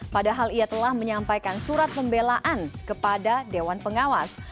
padahal ia telah menyampaikan surat pembelaan kepada dewan pengawas